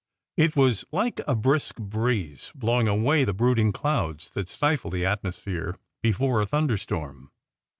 It was like a brisk breeze blowing away the brooding clouds that stifle the atmosphere before a thunder storm.